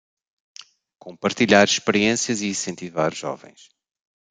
Compartilhar experiências e incentivar jovens